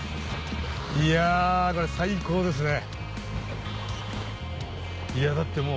いやこれ最高ですね。